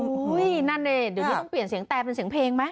นั่นดิเดี๋ยวนี้ต้องเปลี่ยนเสียงแต่เป็นเสียงเพลงไหม